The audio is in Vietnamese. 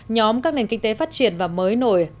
nhóm các nền kinh tế phát triển và mới nổi